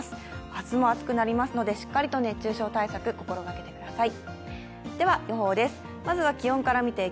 明日も暑くなりますので、しっかりと熱中症対策、心がけてください。